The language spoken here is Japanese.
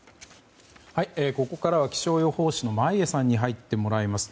ここからは気象予報士の真家さんに入ってもらいます。